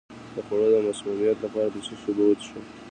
د خوړو د مسمومیت لپاره د څه شي اوبه وڅښم؟